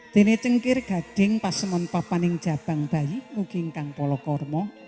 dene cengkir gading pasemun papaning jabang bayi mugi engkang polokormo